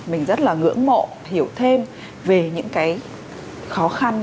mình rất là ngưỡng mộ hiểu thêm về những cái khó khăn